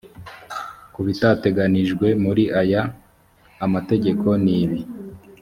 ku bitateganyijwe muri aya amategeko nibi